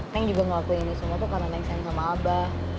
tank juga ngelakuin ini semua tuh karena neng sayang sama abah